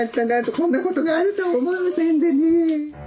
こんなことがあるとは思いませんでね。